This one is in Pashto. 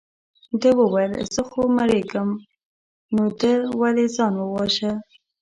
ده وویل زه خو مرېږم نو ده ولې ځان وواژه.